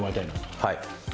はい。